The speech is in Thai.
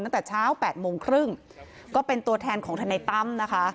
ตั้งแต่เช้า๘โมงครึ่งก็เป็นตัวแทนของทนายตั้มนะคะ